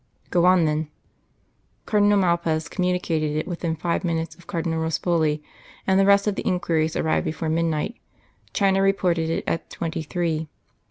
'" "Go on, then." "'Cardinal Malpas communicated it within five minutes of Cardinal Ruspoli, and the rest of the inquiries arrived before midnight. China reported it at twenty three.